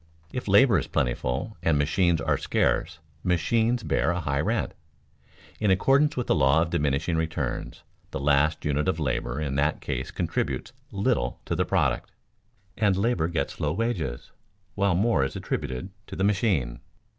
If labor is plentiful and machines are scarce, machines bear a high rent. In accordance with the law of diminishing returns, the last unit of labor in that case contributes little to the product, and labor gets low wages, while more is attributed to the machine.